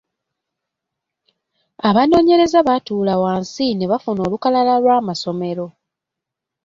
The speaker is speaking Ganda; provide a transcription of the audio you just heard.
Abanoonyereza baatuula wansi ne bafuna olukalala lw’amasomero.